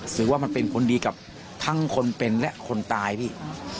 หรือว่ามันเป็นผลดีกับทั้งคนเป็นและคนตายพี่